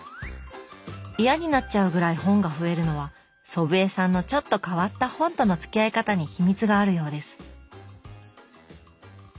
嫌になっちゃうぐらい本が増えるのは祖父江さんのちょっと変わった本とのつきあい方に秘密があるようです。